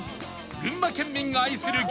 群馬県民が愛する激うま！